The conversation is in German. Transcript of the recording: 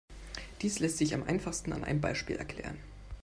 Dies lässt sich am einfachsten an einem Beispiel erklären.